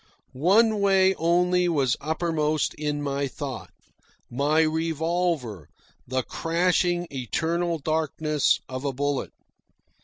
One way only was uppermost in my thought my revolver, the crashing eternal darkness of a bullet.